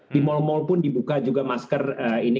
di mall mall pun dibuka juga masker ini